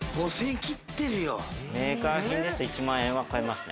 メーカー品ですと１万円は超えますね。